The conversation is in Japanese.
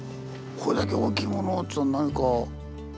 これだけ大きいものっつうと。